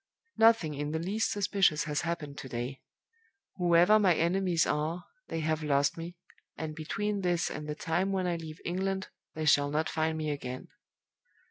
"Nothing in the least suspicious has happened to day. Whoever my enemies are, they have lost me, and between this and the time when I leave England they shall not find me again.